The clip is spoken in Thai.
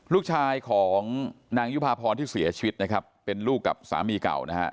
ลูกชายของนางยุภาพรที่เสียชีวิตนะครับเป็นลูกกับสามีเก่านะฮะ